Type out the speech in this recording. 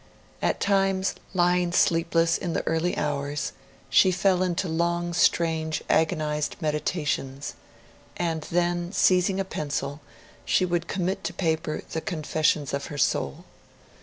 At times, lying sleepless in the early hours, she fell into long, strange, agonised meditations, and then, seizing a pencil, she would commit to paper the confessions of her soul.